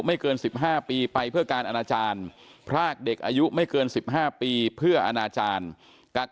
เกิน๑๕ปีไปเพื่อการอนาจารย์พรากเด็กอายุไม่เกิน๑๕ปีเพื่ออนาจารย์กัก